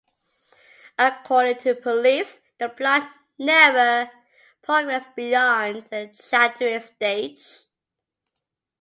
According to the police, the plot never progressed beyond the "chattering stage".